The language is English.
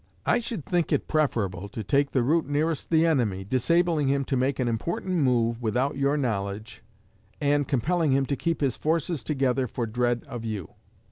I should think it preferable to take the route nearest the enemy, disabling him to make an important move without your knowledge, and compelling him to keep his forces together for dread of you.